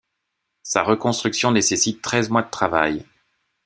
Sa reconstruction nécessite treize mois de travail.